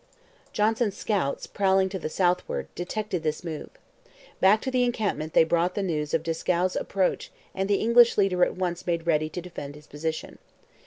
Johnson's scouts, prowling to the southward, detected this move. Back to the encampment they brought the news of Dieskau's approach and the English leader at once made ready to defend his position.